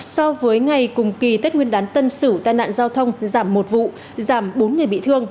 so với ngày cùng kỳ tết nguyên đán tân sử tai nạn giao thông giảm một vụ giảm bốn người bị thương